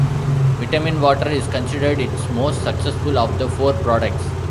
Vitaminwater is considered its most successful of the four products.